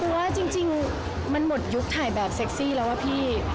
ว่าจริงมันหมดยุคถ่ายแบบเซ็กซี่แล้วอะพี่